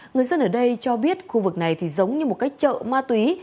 người dân ở đây cho biết khu vực này giống như một cái chợ ma túy